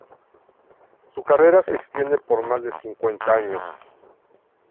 Su carrera se extiende por más de cincuenta años.